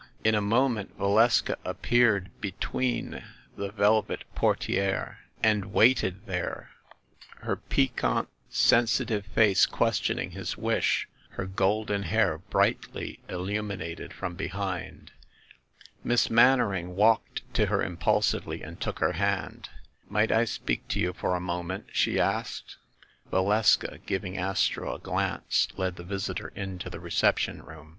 In a moment Valeska appeared between the velvet portieres, and waited there, her piquant sensitive face questioning his wish, her golden hair brightly illumi nated from behind. Miss Mannering walked to her impulsively and took her hand. "Might I speak to you for a moment?" she asked. Valeska, giving Astro a glance, led the visitor into the reception room.